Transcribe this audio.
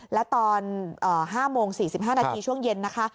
แล้วตอน๕โมง๔๕นาทีช่วงเย็นนะคะ